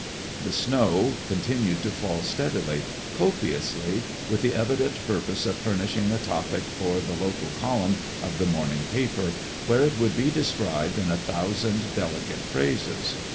The snow continued to fall steadily, copiously, with the evident purpose of furnishing a topic for the local column of the morning paper, where it would be described in a thousand delicate phrases.